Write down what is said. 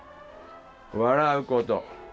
笑うこと。